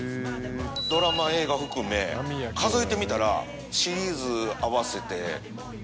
ドラマ映画含め数えてみたらシリーズ合わせて。